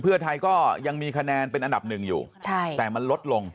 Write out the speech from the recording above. เพื่อไทยก็ยังมีคะแนนเป็นอันดับหนึ่งอยู่ใช่แต่มันลดลง